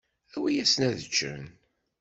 Awi-yasen ad ččen.